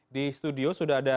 di studio sudah ada